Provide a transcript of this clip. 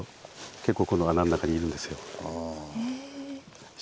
結構この穴の中にいるんですよ。